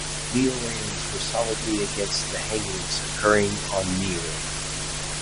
Niueans were solidly against the hangings occurring on Niue.